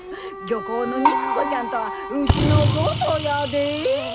「漁港の肉子」ちゃんとはうちのことやで！